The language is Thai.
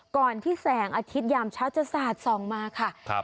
ก่อนที่แสงอาทิตยามเช้าจะสาดส่องมาค่ะ